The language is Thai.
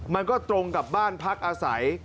มันก็ตรงกับบ้านพักอาศัย